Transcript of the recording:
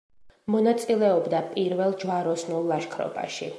მონაწილეობდა პირველ ჯვაროსნულ ლაშქრობაში.